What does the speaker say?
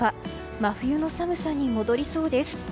真冬の寒さに戻りそうです。